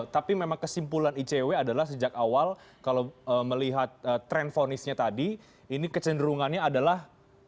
tapi memang kesimpulan icw adalah sejak awal kalau melihat tren fonisnya tadi ini kecenderungannya adalah